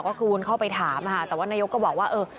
ก็คือว่าเขาไปถามมาแต่ว่านายกก็บอกว่า